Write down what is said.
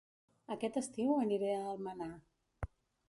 Aquest estiu aniré a Almenar